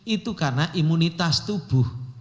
itu karena imunitas tubuh